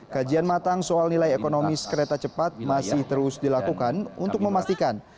kajian matang soal nilai ekonomis kereta cepat masih terus dilakukan untuk memastikan